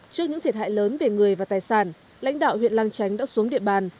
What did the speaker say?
trước những thiệt hại lớn về người và tài sản lãnh đạo huyện lang chánh đã xuống địa bàn